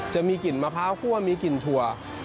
จะมีกลิ่นมะพร้าวคั่วมีกลิ่นถั่ว